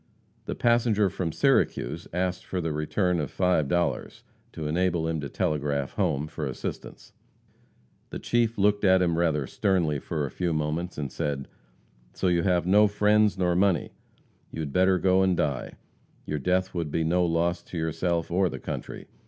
The passenger from Syracuse asked for the return of $5, to enable him to telegraph home for assistance. The chief looked at him rather sternly for a few moments, and said: "So, you have no friends nor money. You had better go and die. Your death would be no loss to yourself or the country.